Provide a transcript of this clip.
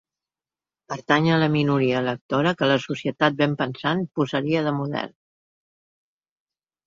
Pertany a la minoria lectora que la societat benpensant posaria de model.